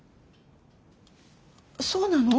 そうなの？